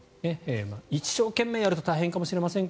一生懸命やると大変かもしれませんが